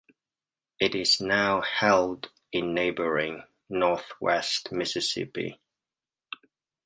It is now held in neighboring northwest Mississippi.